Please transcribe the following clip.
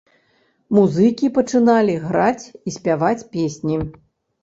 Музыкі пачыналі граць і спяваць песні.